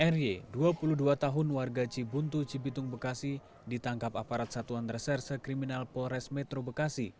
r y dua puluh dua tahun warga cibuntu cibitung bekasi ditangkap aparat satuan reserse kriminal polres metro bekasi